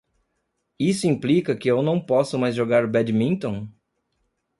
Isso implica que eu não posso mais jogar badminton?